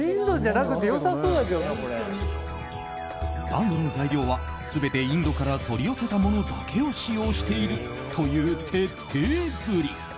暖炉の材料は、全てインドから取り寄せたものだけを使用しているという徹底ぶり。